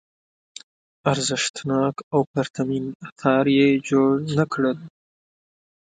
ارزښتناک او پرتمین اثار یې جوړ نه کړل.